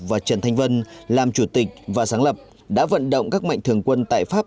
và trần thanh vân làm chủ tịch và sáng lập đã vận động các mạnh thường quân tại pháp